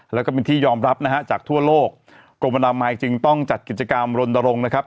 แล้วก็เป็นที่ยอมรับนะฮะจากทั่วโลกกรมอนามัยจึงต้องจัดกิจกรรมรณรงค์นะครับ